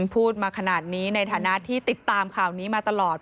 พูดมาขนาดนี้ในฐานะที่ติดตามข่าวนี้มาตลอด